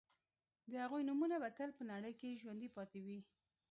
د هغوی نومونه به تل په نړۍ کې ژوندي پاتې وي